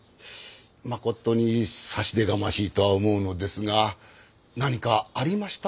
まことに差し出がましいとは思うのですが何かありました？